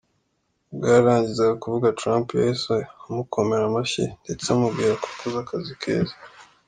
Ubwo yarangizaga kuvuga Trump yahise umukomera amashyi ndetse amubwira ko akoze akazi keza.